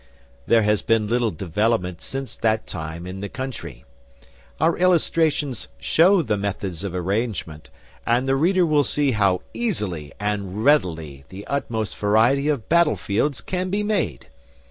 There has been little development since that time in the Country. Our illustrations show the methods of arrangement, and the reader will see how easily and readily the utmost variety of battlefields can be made.